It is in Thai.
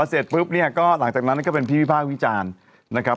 เสร็จปุ๊บเนี่ยก็หลังจากนั้นก็เป็นที่วิพากษ์วิจารณ์นะครับ